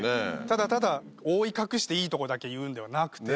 ただただ覆い隠していいとこだけ言うんではなくて。